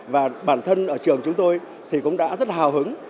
và bản thân ở trường chúng tôi thì cũng đã rất là hào hứng